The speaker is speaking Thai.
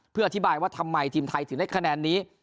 เพื่ออธิบายว่าทำไมทีมไทยถึงได้คะแนนนี้